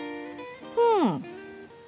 うん！